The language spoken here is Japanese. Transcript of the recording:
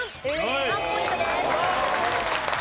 ３ポイントです。